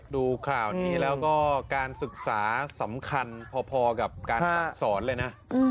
ดูข่าวนี้แล้วก็การศึกษาสำคัญพอกับการสั่งสอนเลยนะ